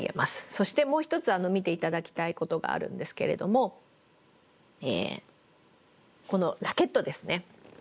そしてもう一つ見て頂きたいことがあるんですけれどもこのラケットですね。